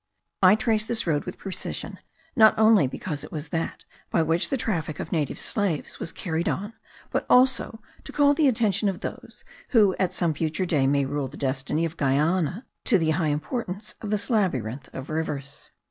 I trace this road with precision not only because it was that by which the traffic of native slaves was carried on, but also to call the attention of those, who at some future day may rule the destiny of Guiana, to the high importance of this labyrinth of rivers.